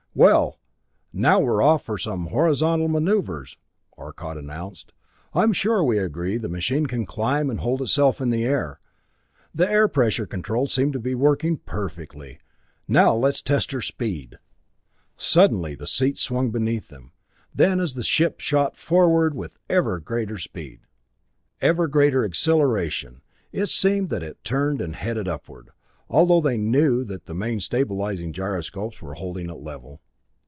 "Well, now we're off for some horizontal maneuvers," Arcot announced. "I'm sure we agree the machine can climb and can hold itself in the air. The air pressure controls seem to be working perfectly. Now we'll test her speed." Suddenly the seats swung beneath them; then as the ship shot forward with ever greater speed, ever greater acceleration, it seemed that it turned and headed upward, although they knew that the main stabilizing gyroscopes were holding it level.